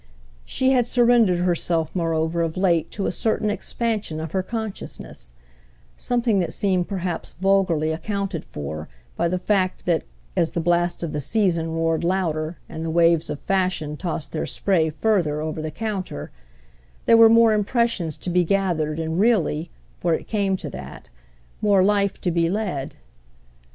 She had surrendered herself moreover of late to a certain expansion of her consciousness; something that seemed perhaps vulgarly accounted for by the fact that, as the blast of the season roared louder and the waves of fashion tossed their spray further over the counter, there were more impressions to be gathered and really—for it came to that—more life to be led.